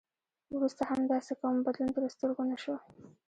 وروسته هم داسې کوم بدلون تر سترګو نه شو.